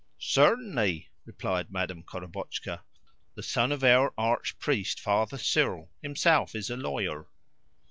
"Certainly," replied Madame Korobotchka. "The son of our archpriest, Father Cyril, himself is a lawyer."